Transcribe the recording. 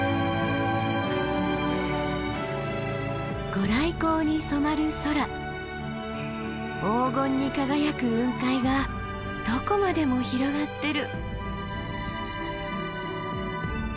御来光に染まる空黄金に輝く雲海がどこまでも広がっている。